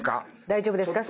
大丈夫ですか？